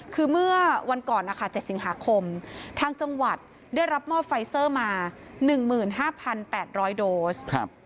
คือเมื่อวันก่อนนะคะ๗สิงหาคมทางจังหวัดได้รับมอบไฟเซอร์มา๑๕๘๐๐โดส